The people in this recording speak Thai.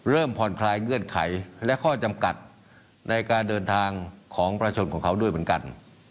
ผ่อนคลายเงื่อนไขและข้อจำกัดในการเดินทางของประชาชนของเขาด้วยเหมือนกัน